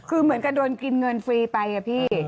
คือเหมือนกับโดนกินเงินฟรีไปอะพี่